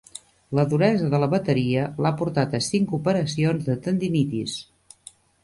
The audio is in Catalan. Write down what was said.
La duresa de la bateria l'ha portat a cinc operacions de tendinitis.